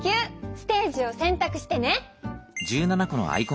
ステージをせんたくしてね。